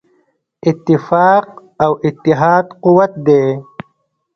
اتفاق او اتحاد قوت دی.